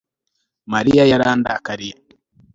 Mariya yarandakariye